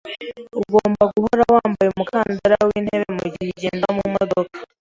Ugomba guhora wambaye umukandara wintebe mugihe ugenda mumodoka.